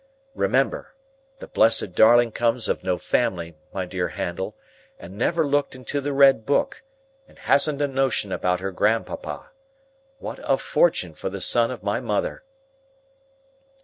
Remember! The blessed darling comes of no family, my dear Handel, and never looked into the red book, and hasn't a notion about her grandpapa. What a fortune for the son of my mother!"